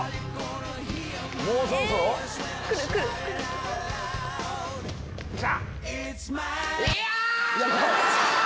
もうそろそろ？きた！